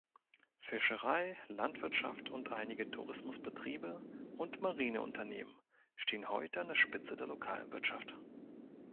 Fischerei, Landwirtschaft und einige Tourismusbetriebe und Marineunternehmen stehen heute an der Spitze der lokalen Wirtschaft.